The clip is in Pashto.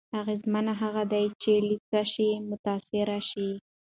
اغېزمن هغه دی چې له څه شي متأثر شي.